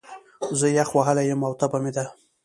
زه يخ وهلی يم، او تبه مې ده